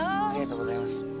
ありがとうございます。